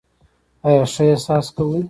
ایا ښه احساس کوئ؟